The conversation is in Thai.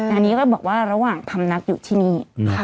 อันนี้ก็บอกว่าระหว่างทำนักอยู่ที่นี่